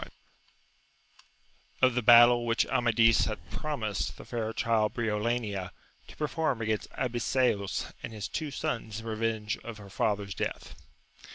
— Of the battle which Amadis had promised the fair child Briolania to perform against Abiseos and his two sons in reyenge of her fatheir's death.